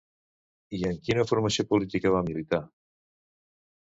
I en quina formació política va militar?